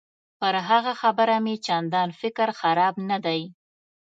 پر هغه خبره مې چندان فکر خراب نه دی.